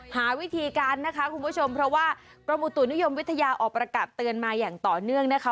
หาวิธีการนะคะคุณผู้ชมเพราะว่ากรมอุตุนิยมวิทยาออกประกาศเตือนมาอย่างต่อเนื่องนะคะ